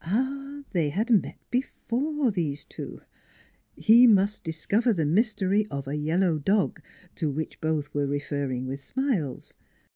Ah ! they had met before, these two. He must discover the mystery of a yellow dog, to which both were referring with smiles.